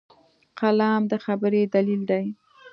قلم د خبرې دلیل دی